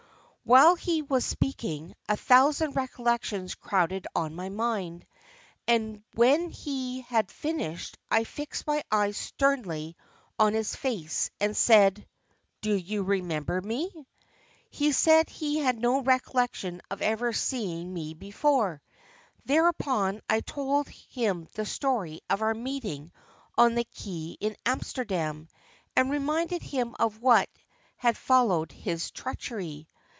While he was speaking, a thousand recollections crowded on my mind, and when he had finished I fixed my eyes sternly on his face and said, 'Do you remember me?' He said he had no recollection of ever having seen me before, Thereupon I told him the story of our meeting on the quay at Amsterdam, and reminded him of what had followed his treachery.